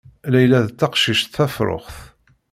Layla d taqcict tafṛuxt.